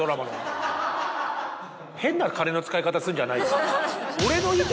変な金の使い方すんじゃないよ。